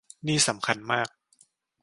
นี่สำคัญมาก